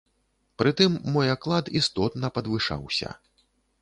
Пры тым мой аклад істотна падвышаўся.